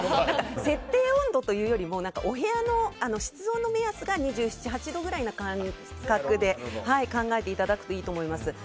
設定温度というよりもお部屋の室温の目安が２７２８度くらいの感覚で考えていただくといいと思います。